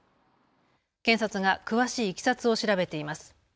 検察が詳しいいきさつを調べています。